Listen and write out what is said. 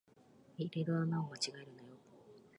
入れる穴を間違えるなよ